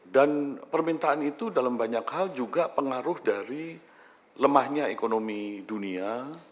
dan permintaan itu dalam banyak hal juga pengaruh dari lemahnya ekonomi dunia